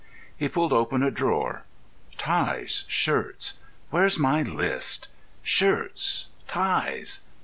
He pulled open a drawer. "Ties, shirts—where's my list?—shirts, ties."